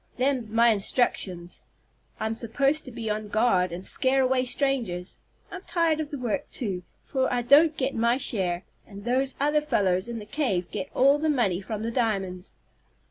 Them's my instructions. I'm supposed to be on guard, and scare away strangers. I'm tired of the work, too, for I don't get my share, and those other fellows, in the cave, get all the money from the diamonds."